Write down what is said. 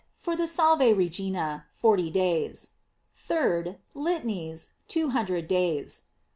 For the ''Sal ve Regina," forty days. 3d. Litanies, two hun dred days.